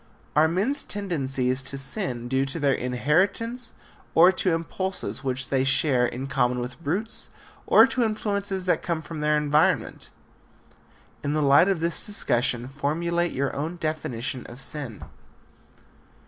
Are men's tendencies to sin due to their inheritance or to impulses which they share in common with brutes, or to influences that come from their environment? In the light of this discussion formulate your own definition of sin.